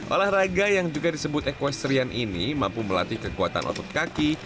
olahraga yang juga disebut equestrian ini mampu melatih kekuatan otot kaki